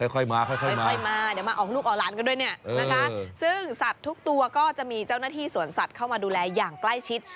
ค่อยมาค่อยมาเดี๋ยวมาออกลูกออกหลานกันด้วยเนี่ยนะคะซึ่งสัตว์ทุกตัวก็จะมีเจ้าหน้าที่สวนสัตว์เข้ามาดูแลอย่างใกล้ชิด